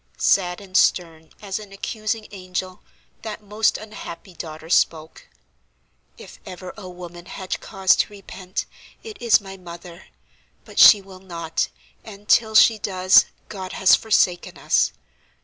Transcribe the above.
Sad and stern, as an accusing angel, that most unhappy daughter spoke: "If ever a woman had cause to repent, it is my mother; but she will not, and till she does, God has forsaken us.